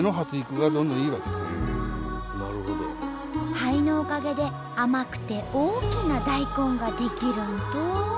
灰のおかげで甘くて大きな大根が出来るんと。